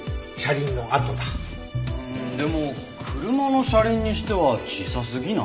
うーんでも車の車輪にしては小さすぎない？